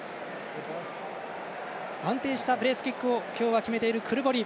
安定したプレースキックを今日は決めているクルボリ。